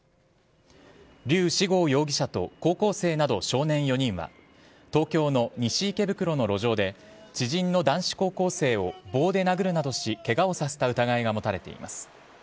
リュウ・シゴウ容疑者と高校生など少年４人は東京の西池袋の路上で知人の男子高校生を棒で殴るなどしケガをさせた疑いが持たれています。